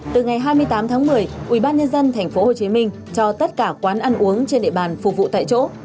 từ ngày hai mươi tám tháng một mươi ubnd tp hcm cho tất cả quán ăn uống trên địa bàn phục vụ tại chỗ